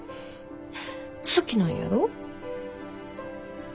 好きなんやろ？